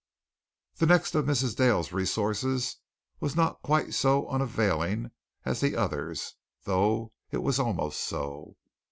The next of Mrs. Dale's resources was not quite so unavailing as the others, though it was almost so.